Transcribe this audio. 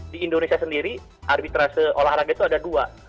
di indonesia sendiri arbitrase olahraga itu ada dua